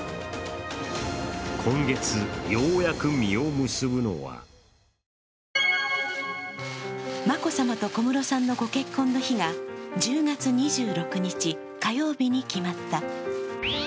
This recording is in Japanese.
今月、ようやく実を結ぶのは眞子さまと小室さんのご結婚の日が１０月２６日火曜日に決まった。